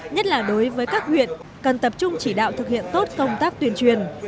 nhất là đối với các huyện cần tập trung chỉ đạo thực hiện tốt công tác tuyên truyền